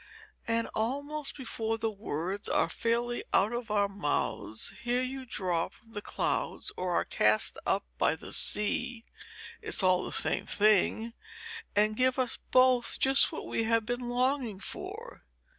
And almost before the words are fairly out of our mouths here you drop from the clouds, or are cast up by the sea, it's all the same thing, and give us both just what we have been longing for.